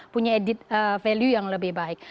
punya added value yang lebih baik